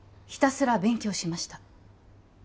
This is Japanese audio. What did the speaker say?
ひたすら勉強しました